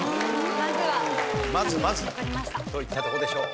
まずまずだといったとこでしょう。